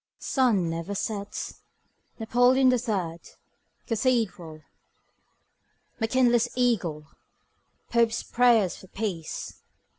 Sun never sets. Napoleon the third, cathedral. McKinley's eagle. Pope's prayers for peace.